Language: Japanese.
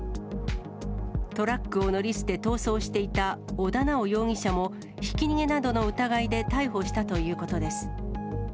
トラックを乗り捨て逃走していた小田直容疑者も、ひき逃げなどの疑いで逮捕したということです。